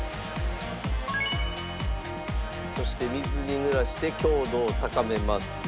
そして水に濡らして強度を高めます。